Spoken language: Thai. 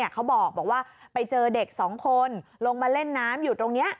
เขาบอกว่าไปเจอเด็ก๒คนลงมาเล่นน้ำอยู่ตรงนี้